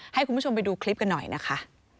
ให้คุณผู้ชมไปดูคลิปกันหน่อยนะคะ